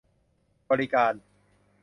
บริการ